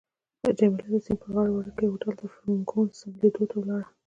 جميله د سیند پر غاړه وړوکي هوټل ته فرګوسن لیدو ته ولاړه.